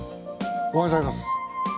おはようございます。